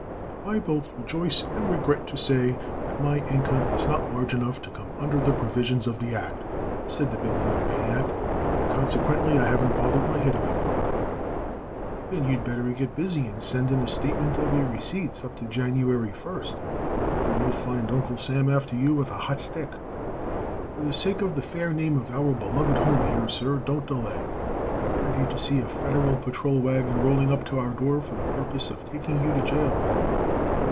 "I both rejoice and regret to say that my income is not large enough to come under the provisions of the act," said the Bibliomaniac, "and consequently I haven't bothered my head about it." "Then you'd better get busy and send in a statement of your receipts up to January first, or you'll find Uncle Sam after you with a hot stick. For the sake of the fair name of our beloved home here, sir, don't delay. I'd hate to see a federal patrol wagon rolling up to our door for the purpose of taking you to jail."